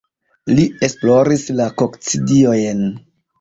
Li esploris la kokcidiojn.